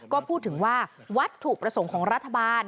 ก็พูดถึงว่าวัตถุประสงค์ของรัฐบาล